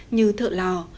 như thợ lò